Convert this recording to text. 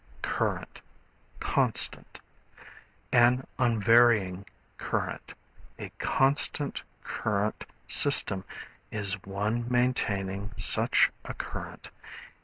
Current, Constant. An unvarying current. A constant current system is one maintaining such a current.